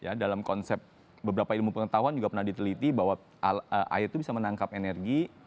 ya dalam konsep beberapa ilmu pengetahuan juga pernah diteliti bahwa air itu bisa menangkap energi